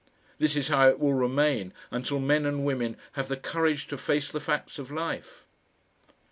This is how it will remain until men and women have the courage to face the facts of life.